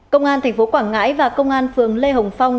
công an tp quảng ngãi và công an phường lê hồng phong